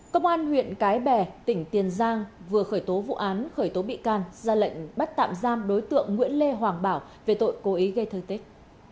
công an huyện cái bè tỉnh tiền giang vừa khởi tố vụ án khởi tố bị can ra lệnh bắt tạm giam đối tượng nguyễn lê hoàng bảo về tội cố ý gây thương tích